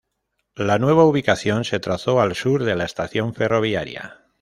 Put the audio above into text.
La nueva ubicación se trazó al sur de la estación ferroviaria.